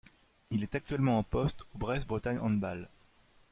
Il est actuellement en poste au Brest Bretagne Handball.